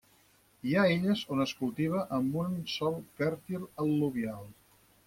Hi ha illes on es cultiva amb un sòl fèrtil al·luvial.